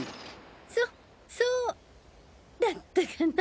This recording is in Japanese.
そそうだったかな？